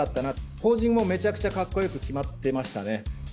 ポージングもめちゃくちゃかっこよく決まってましたね。